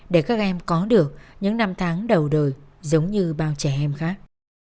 để các em có được những năm tháng đầu đời giống như bao trẻ em khác